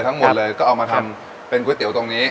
ทั้งหมดเลยก็เอามาทำเป็นก๋วยเตี๋ยวตรงนี้